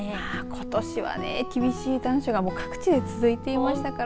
ことしは厳しい残暑が各地で続いていましたから。